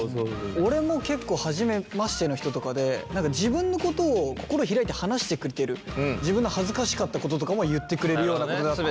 俺も結構初めましての人とかで自分のことを心開いて話してくれてる自分の恥ずかしかったこととかも言ってくれるようなことだったりとか。